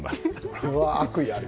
これは悪意ある。